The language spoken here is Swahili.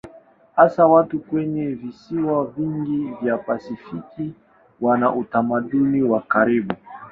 Hasa watu kwenye visiwa vingi vya Pasifiki wana utamaduni wa karibu.